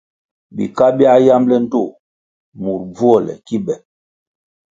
Bika biā yambʼle ndtoh mur bvuole ki be.